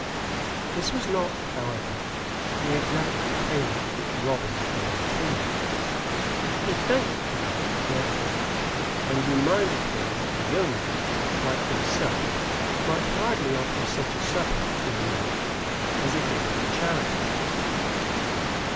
This was not, however, the exact payment which Robin had intended. He thanked the knight, therefore, and reminded him that a yeoman like himself might hardly offer such a supper to a knight as a gift of charity.